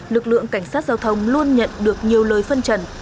lực lượng cảnh sát giao thông luôn nhận được nhiều lời phân trần